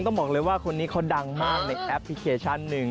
ต้องบอกเลยว่าคนนี้เขาดังมากในแอปพลิเคชันหนึ่ง